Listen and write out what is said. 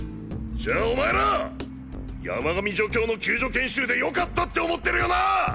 じゃあお前ら「山上助教の救助研修で良かった」って思ってるよな！？